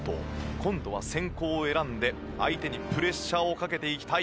今度は先攻を選んで相手にプレッシャーをかけていきたい。